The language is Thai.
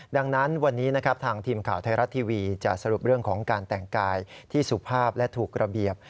ดังนั้นวันนี้นะครับทางทีมข่าวไทยรัฐทีวีจะสรุปเรื่องของการแต่งกายที่สุภาพและถูกระเบียบ